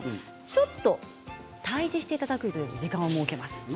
ちょっと対じしていただくという時間を設けます。